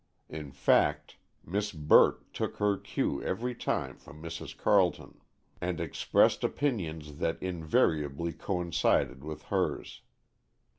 In fact, Miss Burt took her cue every time from Mrs. Carleton, and expressed opinions that invariably coincided with hers.